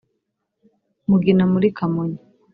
Mugina muri Kamonyi